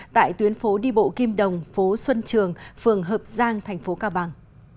tại tuyến phố đi bộ kim đồng phố xuân trường phường hợp giang tp cao bằng